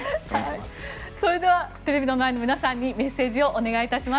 それではテレビの前の皆さんにメッセージをお願いいたします。